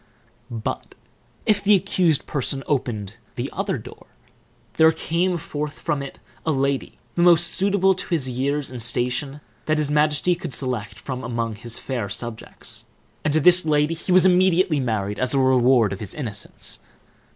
But, if the accused person opened the other door, there came forth from it a lady, the most suitable to his years and station that his majesty could select among his fair subjects, and to this lady he was immediately married, as a reward of his innocence.